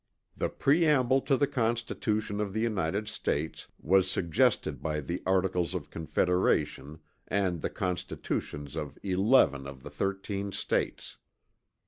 The preamble to the Constitution of the United States was suggested by the Articles of Confederation and the constitutions of eleven of the thirteen States.